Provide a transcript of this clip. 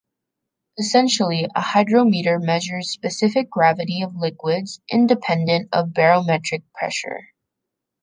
Essentially, a hydrometer measures specific gravity of liquids independent of barometric pressure.